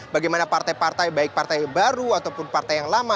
bagaimana partai partai baik partai baru ataupun partai yang lama